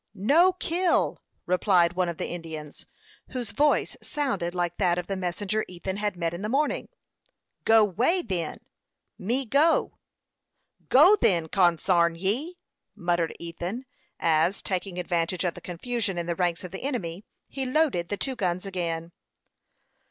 "No kill," replied one of the Indians, whose voice sounded like that of the messenger Ethan had met in the morning. "Go 'way then!" "Me go." "Go then consarn ye!" muttered Ethan, as, taking advantage of the confusion in the ranks of the enemy, he loaded the two guns again.